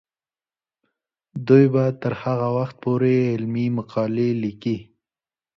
دوی به تر هغه وخته پورې علمي مقالې لیکي.